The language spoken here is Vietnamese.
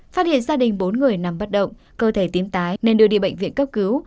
phát hiện gia đình bốn người nằm bất động cơ thể tím tái nên đưa đi bệnh viện cấp cứu